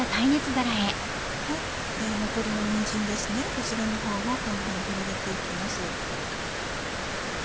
残りのにんじんですねこちらのほうもこんなふうに広げて行きます。